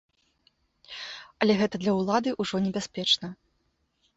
Але гэта для ўлады ўжо небяспечна.